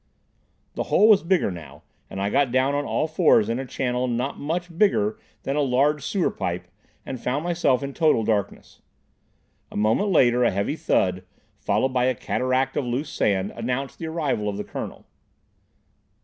The hole was bigger now, and I got down on all fours in a channel not much bigger than a large sewer pipe and found myself in total darkness. A minute later a heavy thud, followed by a cataract of loose sand, announced the arrival of the Colonel.